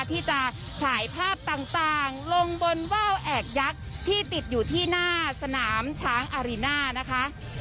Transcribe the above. ที่จะฉายภาพต่างลงบนว่าวแอกยักษ์ที่ติดอยู่ที่หน้าสนามช้างอารีน่านะคะ